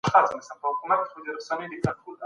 لوستې مور د صحي عادتونو تمرين کوي.